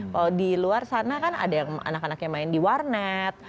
kalau di luar sana kan ada yang anak anak yang main di warnet